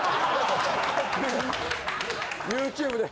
ＹｏｕＴｕｂｅで。